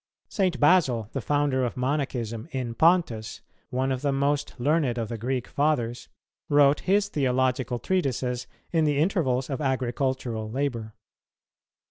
St. Basil, the founder of Monachism in Pontus, one of the most learned of the Greek Fathers, wrote his theological treatises in the intervals of agricultural labour.